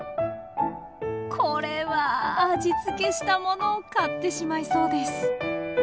これは味付けしたものを買ってしまいそうです。